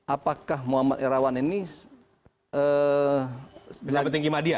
apakah muhammad irawan ini pejabat tinggi media